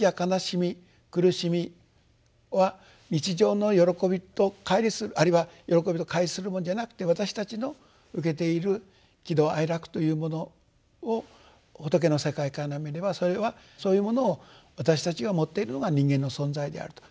苦しみは日常の喜びと乖離するあるいは喜びと乖離するものじゃなくて私たちの受けている喜怒哀楽というものを仏の世界から見ればそれはそういうものを私たちが持っているのが人間の存在であると。